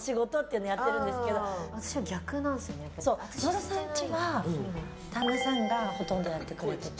野呂さんちは旦那さんがほとんどやってくれてて。